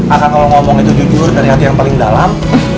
akan kalau ngomong itu jujur dari hati yang paling dalam